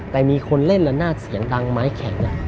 แต่มีคนเล่นละนาดเสียงดังไม้แข็ง